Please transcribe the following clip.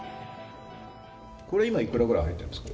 これ今、いくらぐらい入ってるんですか。